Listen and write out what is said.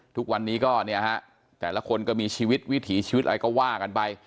ทุกวันนี้ก็เนี่ยฮะแต่ละคนก็มีชีวิตวิถีชีวิตอะไรก็ว่ากันไป